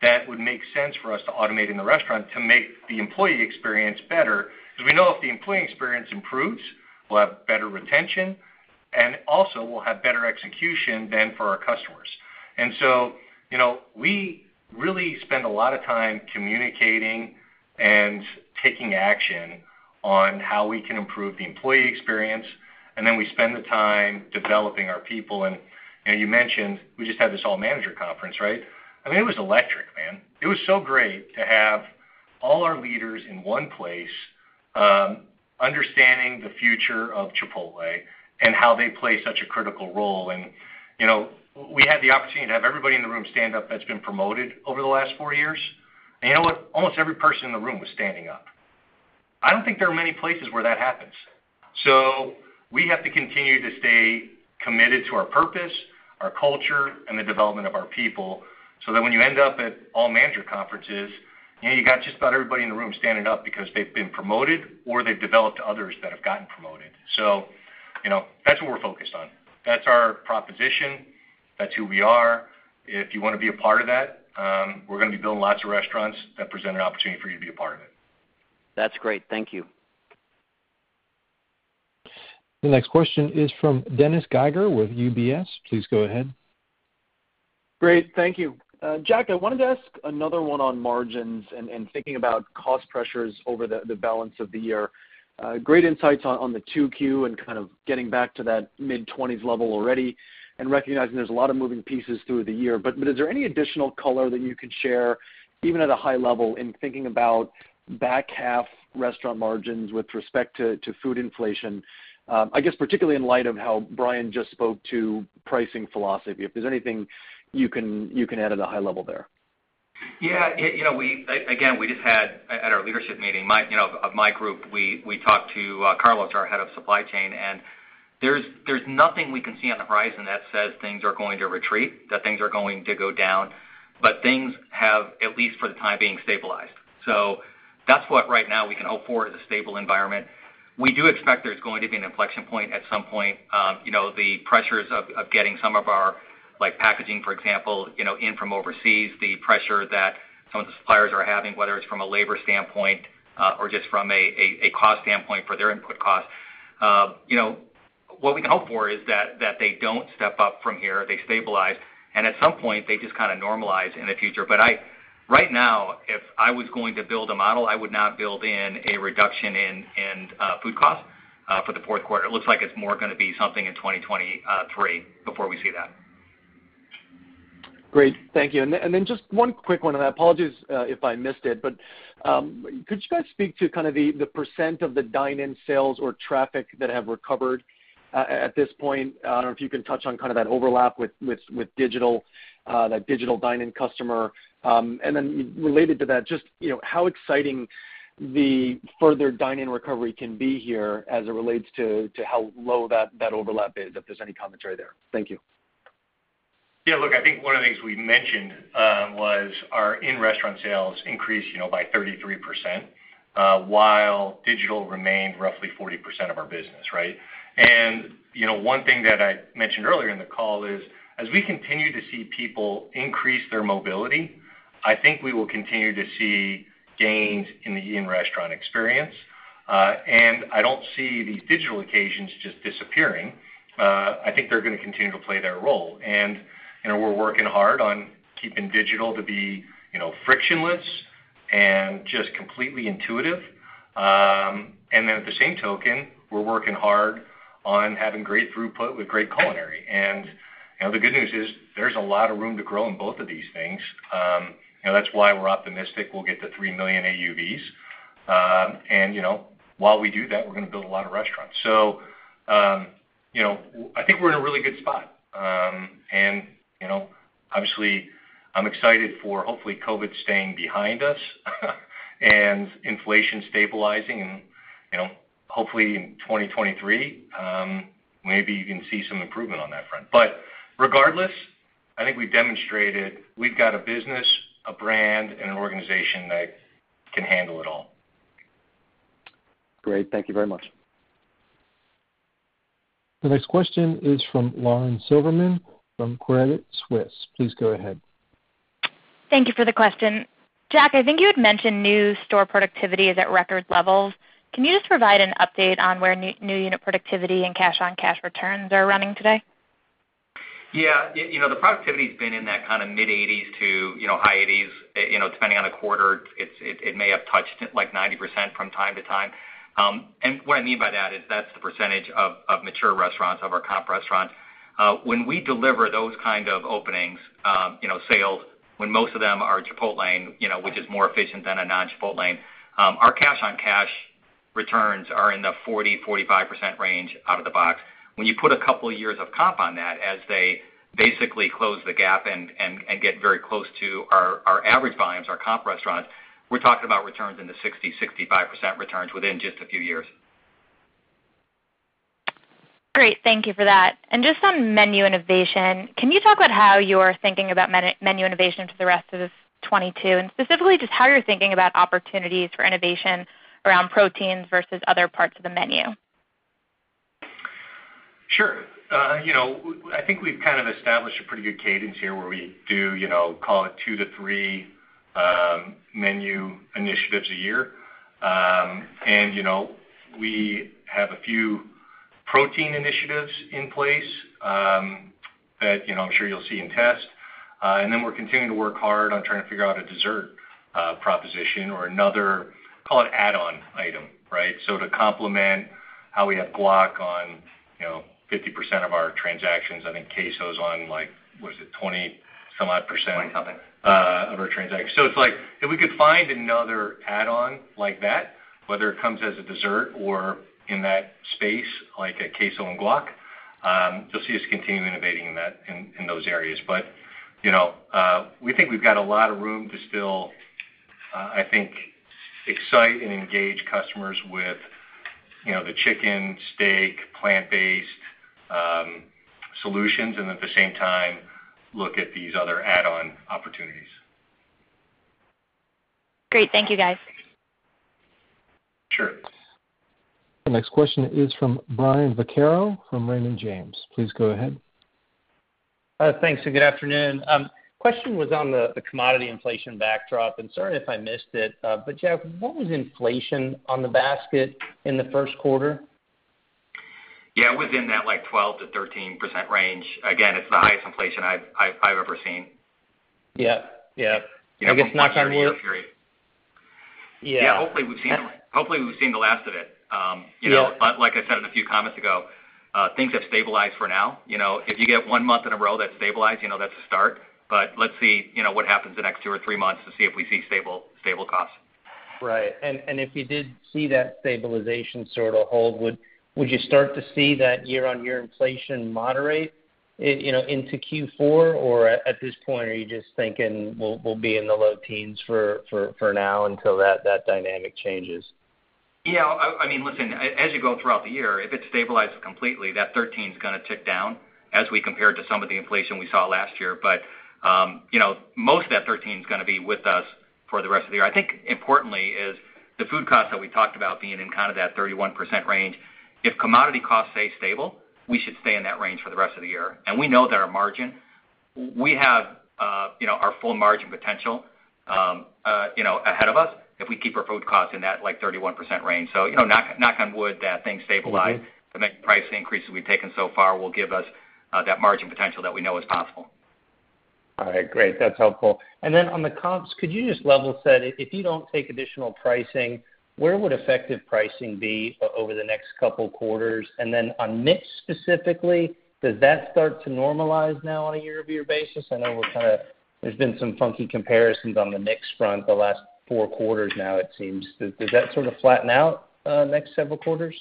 that would make sense for us to automate in the restaurant to make the employee experience better. Because we know if the employee experience improves, we'll have better retention, and also we'll have better execution than for our customers. You know, we really spend a lot of time communicating and taking action on how we can improve the employee experience, and then we spend the time developing our people. You know, you mentioned we just had this all manager conference, right? I mean, it was electric, man. It was so great to have all our leaders in one place, understanding the future of Chipotle and how they play such a critical role. You know, we had the opportunity to have everybody in the room stand up that's been promoted over the last four years. You know what? Almost every person in the room was standing up. I don't think there are many places where that happens. We have to continue to stay committed to our purpose, our culture, and the development of our people, so that when you end up at all manager conferences, you know, you got just about everybody in the room standing up because they've been promoted or they've developed others that have gotten promoted. You know, that's what we're focused on. That's our proposition. That's who we are. If you wanna be a part of that, we're gonna be building lots of restaurants that present an opportunity for you to be a part of it. That's great. Thank you. The next question is from Dennis Geiger with UBS. Please go ahead. Great. Thank you. Jack, I wanted to ask another one on margins and thinking about cost pressures over the balance of the year. Great insights on the 2Q and kind of getting back to that mid-twenties level already and recognizing there's a lot of moving pieces through the year. But is there any additional color that you could share, even at a high level, in thinking about back half restaurant margins with respect to food inflation? I guess particularly in light of how Brian just spoke to pricing philosophy, if there's anything you can add at a high level there. Yeah. You know, we just had at our leadership meeting, my, you know, of my group, we talked to Carlos, our Head of Supply Chain, and there's nothing we can see on the horizon that says things are going to retreat, that things are going to go down, but things have, at least for the time being, stabilized. So that's what right now we can hope for is a stable environment. We do expect there's going to be an inflection point at some point. You know, the pressures of getting some of our, like, packaging, for example, you know, in from overseas, the pressure that some of the suppliers are having, whether it's from a labor standpoint, or just from a cost standpoint for their input cost. You know, what we can hope for is that they don't step up from here, they stabilize, and at some point, they just kinda normalize in the future. Right now, if I was going to build a model, I would not build in a reduction in food costs for the fourth quarter. It looks like it's more gonna be something in 2023 before we see that. Great. Thank you. Just one quick one. I apologize if I missed it, but could you guys speak to kind of the percent of the dine-in sales or traffic that have recovered at this point? I don't know if you can touch on kind of that overlap with digital that digital dine-in customer. Related to that, just you know how exciting the further dine-in recovery can be here as it relates to how low that overlap is, if there's any commentary there. Thank you. Yeah. Look, I think one of the things we mentioned was our in-restaurant sales increased, you know, by 33%, while digital remained roughly 40% of our business, right? You know, one thing that I mentioned earlier in the call is, as we continue to see people increase their mobility, I think we will continue to see gains in the eat-in restaurant experience. I don't see the digital occasions just disappearing. I think they're gonna continue to play their role. You know, we're working hard on keeping digital to be, you know, frictionless and just completely intuitive. At the same time, we're working hard on having great throughput with great culinary. You know, the good news is there's a lot of room to grow in both of these things. You know, that's why we're optimistic we'll get to 3 million AUVs. You know, while we do that, we're gonna build a lot of restaurants. You know, I think we're in a really good spot. You know, obviously, I'm excited for hopefully COVID staying behind us, and inflation stabilizing and, you know, hopefully in 2023, maybe you can see some improvement on that front. Regardless, I think we've demonstrated we've got a business, a brand, and an organization that can handle it all. Great. Thank you very much. The next question is from Lauren Silberman from Credit Suisse. Please go ahead. Thank you for the question. Jack, I think you had mentioned new store productivity is at record levels. Can you just provide an update on where new unit productivity and cash-on-cash returns are running today? Yeah. You know, the productivity's been in that kinda mid-80s% to high 80s%. You know, depending on the quarter, it may have touched, like, 90% from time to time. What I mean by that is that's the percentage of mature restaurants, of our comp restaurants. When we deliver those kind of openings, you know, sales, when most of them are Chipotle, you know, which is more efficient than a non-Chipotlane, our cash-on-cash returns are in the 40-45% range out of the box. When you put a couple years of comp on that, as they basically close the gap and get very close to our average volumes, our comp restaurants, we're talking about returns in the 60-65% range within just a few years. Great. Thank you for that. Just on menu innovation, can you talk about how you're thinking about menu innovation for the rest of this 2022, and specifically just how you're thinking about opportunities for innovation around proteins versus other parts of the menu? Sure. You know, I think we've kind of established a pretty good cadence here where we do, you know, call it two- menu initiatives a year. You know, we have a few protein initiatives in place that, you know, I'm sure you'll see in test. We're continuing to work hard on trying to figure out a dessert proposition or another, call it add-on item, right? To complement how we have guac on, you know, 50% of our transactions, I think queso's on, like, what is it? 20-some odd percent- Twenty-something of our transactions. It's like if we could find another add-on like that, whether it comes as a dessert or in that space like a queso and guac, you'll see us continue innovating in those areas. You know, we think we've got a lot of room to still, I think, excite and engage customers with, you know, the chicken, steak, plant-based solutions, and at the same time, look at these other add-on opportunities. Great. Thank you, guys. Sure. The next question is from Brian Vaccaro from Raymond James. Please go ahead. Thanks, and good afternoon. Question was on the commodity inflation backdrop, and sorry if I missed it, but Jack, what was inflation on the basket in the first quarter? Yeah. Within that, like, 12%-13% range. Again, it's the highest inflation I've ever seen. Yeah. Yeah. I guess knock on wood. period. Yeah. Yeah. Hopefully, we've seen the last of it. You know- Yeah like I said a few comments ago, things have stabilized for now, you know. If you get one month in a row that's stabilized, you know, that's a start. Let's see, you know, what happens the next two or three months to see if we see stable costs. Right. If you did see that stabilization sort of hold, would you start to see that year-on-year inflation moderate, you know, into Q4? At this point, are you just thinking we'll be in the low teens for now until that dynamic changes? Yeah. I mean, listen, as you go throughout the year, if it stabilizes completely, that 13% is gonna tick down as we compare it to some of the inflation we saw last year. You know, most of that 13% is gonna be with us for the rest of the year. I think importantly is the food costs that we talked about being in kind of that 31% range, if commodity costs stay stable, we should stay in that range for the rest of the year. We know that our margin, we have, you know, our full margin potential, you know, ahead of us if we keep our food costs in that, like, 31% range. You know, knock on wood that things stabilize.... the menu price increases we've taken so far will give us that margin potential that we know is possible. All right, great. That's helpful. On the comps, could you just level set, if you don't take additional pricing, where would effective pricing be over the next couple quarters? On mix specifically, does that start to normalize now on a year-over-year basis? I know we're kinda there's been some funky comparisons on the mix front the last four quarters now it seems. Does that sort of flatten out next several quarters?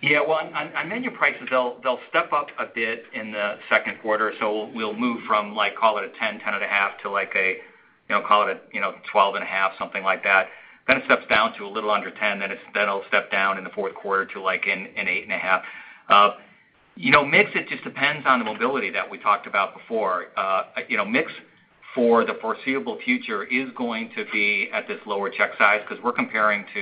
Well, on menu prices, they'll step up a bit in the second quarter. We'll move from, like, call it a 10%-10.5% to, like, you know, call it a 12.5%, something like that. It steps down to a little under 10%, it'll step down in the fourth quarter to, like, an 8.5%. You know, mix, it just depends on the mobility that we talked about before. You know, mix for the foreseeable future is going to be at this lower check size because we're comparing to,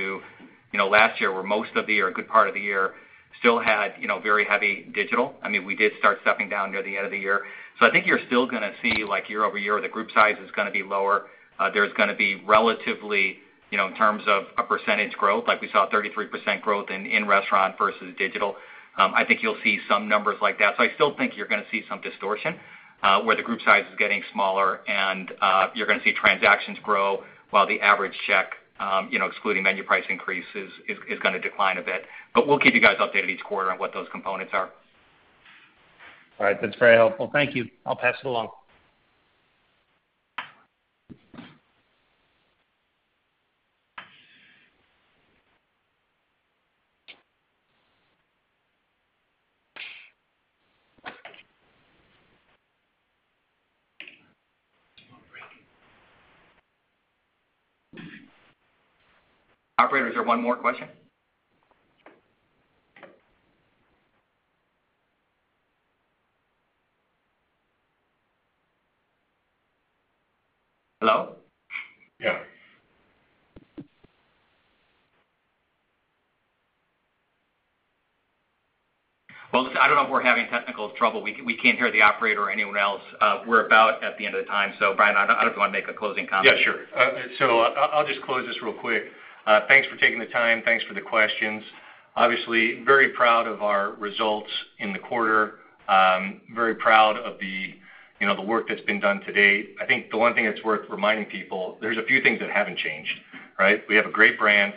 you know, last year where most of the year, a good part of the year still had, you know, very heavy digital. I mean, we did start stepping down near the end of the year. I think you're still gonna see, like, year-over-year, the group size is gonna be lower. There's gonna be relatively, you know, in terms of a percentage growth, like we saw 33% growth in-restaurant versus digital. I think you'll see some numbers like that. I still think you're gonna see some distortion, where the group size is getting smaller and, you're gonna see transactions grow while the average check, you know, excluding menu price increases is gonna decline a bit. We'll keep you guys updated each quarter on what those components are. All right. That's very helpful. Thank you. I'll pass it along. Operator, is there one more question? Hello? Yeah. Well, listen, I don't know if we're having technical trouble. We can't hear the operator or anyone else. We're about at the end of the time, so Brian, I don't know if you wanna make a closing comment. Yeah, sure. So I'll just close this real quick. Thanks for taking the time. Thanks for the questions. Obviously, very proud of our results in the quarter. Very proud of the, you know, the work that's been done to date. I think the one thing that's worth reminding people, there's a few things that haven't changed, right? We have a great brand.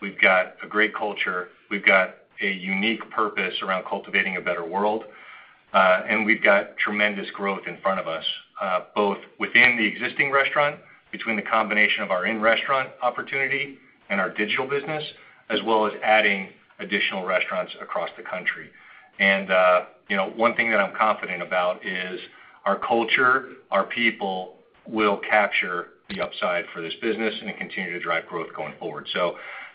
We've got a great culture. We've got a unique purpose around cultivating a better world. We've got tremendous growth in front of us, both within the existing restaurant, between the combination of our in-restaurant opportunity and our digital business, as well as adding additional restaurants across the country. You know, one thing that I'm confident about is our culture, our people will capture the upside for this business and continue to drive growth going forward.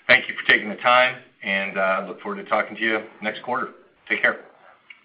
Thank you for taking the time, and look forward to talking to you next quarter. Take care.